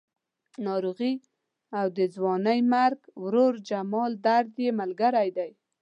ناروغي او د ځوانې مرګ ورور جمال درد یې ملګري دي.